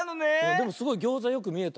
でもすごいギョーザよくみえた。